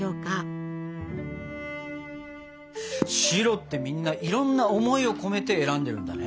「白」ってみんないろんな思いを込めて選んでるんだね。